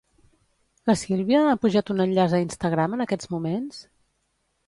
La Sílvia ha pujat un enllaç a Instagram en aquests moments?